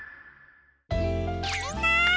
みんな！